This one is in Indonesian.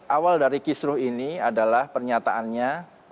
awal dari kisruh ini adalah pernyataannya